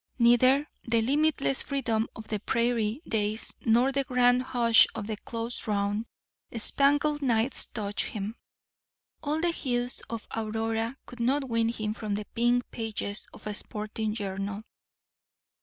Neither the limitless freedom of the prairie days nor the grand hush of the close drawn, spangled nights touched him. All the hues of Aurora could not win him from the pink pages of a sporting journal.